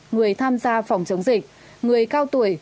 người tham gia phòng chống dịch người cao tuổi